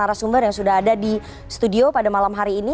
kita akan mencoba sumber yang sudah ada di studio pada malam hari ini